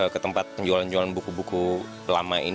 ke tempat penjualan jualan buku buku lama ini